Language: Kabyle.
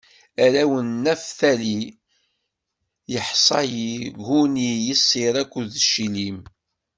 Arraw n Naftali: Yaḥṣayil, Guni, Yiṣir akked Cilim.